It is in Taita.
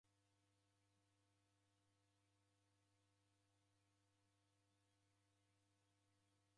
Ndedimanyire nani ugheshero kubonya ijo ilagho.